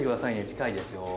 近いですよ。